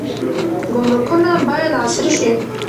ګمرکونه باید عصري شي.